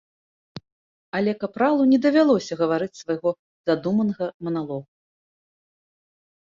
Але капралу не давялося гаварыць свайго задуманага маналогу.